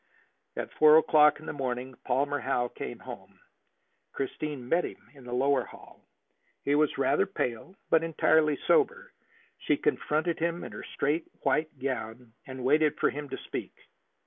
At four o'clock in the morning Palmer Howe came home. Christine met him in the lower hall. He was rather pale, but entirely sober. She confronted him in her straight white gown and waited for him to speak.